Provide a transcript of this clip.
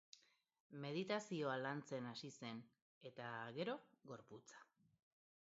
Meditazioa lantzen hasi zen, eta, gero, gorputza.